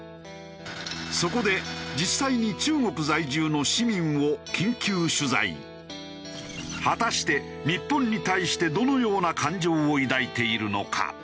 そこで実際に果たして日本に対してどのような感情を抱いているのか？